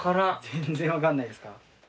全然分かんないですか？